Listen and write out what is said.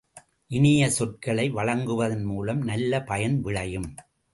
இனிய சொற்களை வழங்குவதன் மூலம் நல்ல பயன் விளையும்.